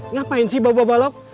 ngapain sih bapak balok